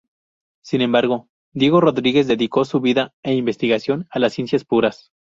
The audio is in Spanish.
Sin embargo, Diego Rodríguez dedicó su vida e investigación a las ciencias puras.